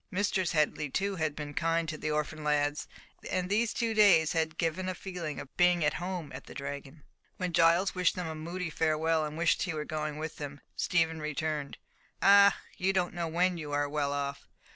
Mistress Headley too had been kind to the orphan lads, and these two days had given a feeling of being at home at the Dragon. When Giles wished them a moody farewell, and wished he were going with them, Stephen returned, "Ah! you don't know when you are well off."